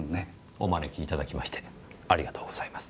お招きいただきましてありがとうございます。